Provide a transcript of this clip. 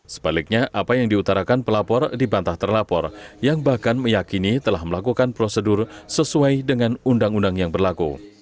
sebaliknya apa yang diutarakan pelapor dibantah terlapor yang bahkan meyakini telah melakukan prosedur sesuai dengan undang undang yang berlaku